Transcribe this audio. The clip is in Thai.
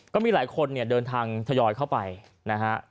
ก็มีหลายคนเนี่ยเดินทางทยอยเข้าไปนะฮะ